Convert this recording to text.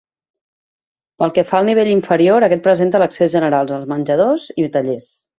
Pel que fa al nivell inferior, aquest presenta l'accés general, els menjadors i tallers.